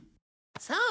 そう。